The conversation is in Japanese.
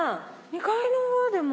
２階の方でも。